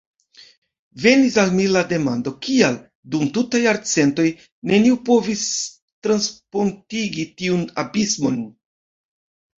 Venis al mi la demando, kial, dum tutaj jarcentoj, neniu provis transpontigi tiun abismon?